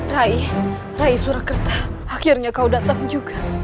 rai rai surakerta akhirnya kau datang juga